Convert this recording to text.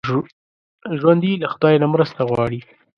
ژوندي له خدای نه مرسته غواړي